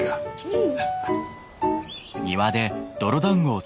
うん。